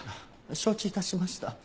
承知致しました。